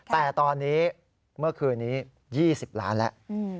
แต่ตอนนี้เมื่อคืนนี้๒๐ล้านแล้ว